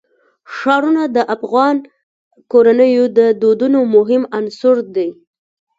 ښارونه د افغان کورنیو د دودونو مهم عنصر دی.